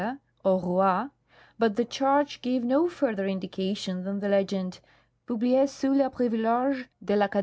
au Roy," but the charts give no further indication than the legend :" Publiee sous le privilege de I'Acad.